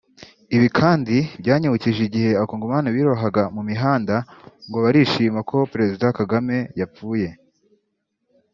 Ibi kandi byanyibukije igihe abacongomani biroha mumihanda ngo barishima ko Perezida Kagame yapfuye